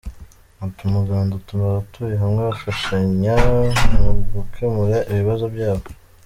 Ati “Umuganda utuma abatuye hamwe bafashanya mu gukemura ibibazo byabo.